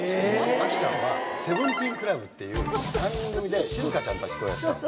亜希ちゃんはセブンティーン・クラブっていう３人組で静香ちゃんたちとやってた。